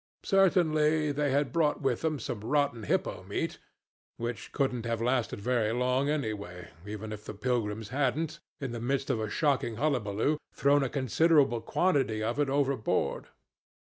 Certainly they had brought with them some rotten hippo meat, which couldn't have lasted very long, anyway, even if the pilgrims hadn't, in the midst of a shocking hullabaloo, thrown a considerable quantity of it overboard.